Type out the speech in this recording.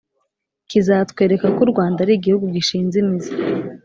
kizatwereka ko u rwanda ari igihugu gishinze imizi,